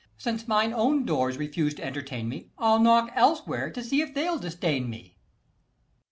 Since mine own doors refuse to entertain me, 120 I'll knock elsewhere, to see if they'll disdain me.